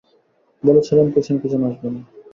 বলেছিলাম পেছন পেছন আসবি না।